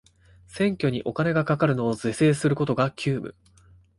選挙にお金がかかるのを是正することが急務